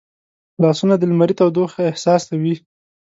لاسونه د لمري تودوخه احساسوي